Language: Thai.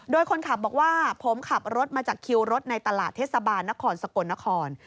โดยคนขับบอกว่าผมขับรถมาจากคิวรถในตลาดเทศบาลนครสกลนคร